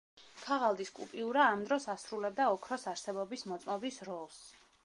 ქაღალდის კუპიურა ამ დროს ასრულებდა ოქროს არსებობის მოწმობის როლს.